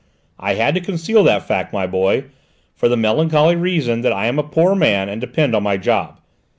I had to conceal that fact, my boy, for the melancholy reason that I am a poor man and depend on my job.